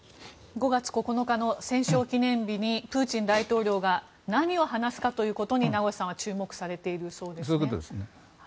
５月９日の戦勝記念日にプーチン大統領が何を話すかということに名越さんは注目されているそうですね。